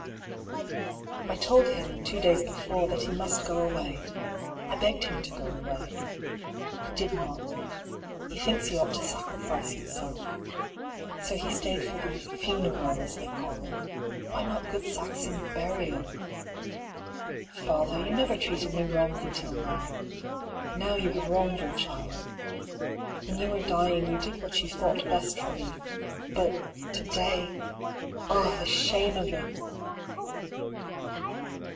I told him, two days before, that he must go away. I begged him to go away. He did not. He thinks he ought to sacrifice himself. So he stayed for the " fu neral," as they call it. (Why not good Saxon burial ?) Father, you never treated me wrongly till now. Now you have wronged your child. When you were dying, you did what you thought best for me. But — to day — the shame of it